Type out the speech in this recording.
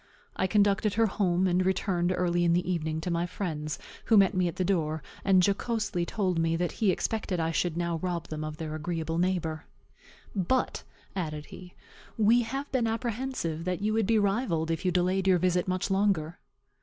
I conducted her home, and returned early in the evening to my friend's, who met me at the door, and jocosely told me that he expected that I should now rob them of their agreeable neighbor. "But," added he, "we have been apprehensive that you would be rivalled if you delayed your visit much longer."